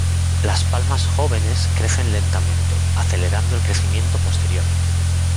Las palmas jóvenes crecen lentamente, acelerando el crecimiento posteriormente.